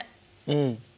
うん。